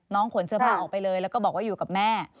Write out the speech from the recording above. ขนเสื้อผ้าออกไปเลยแล้วก็บอกว่าอยู่กับแม่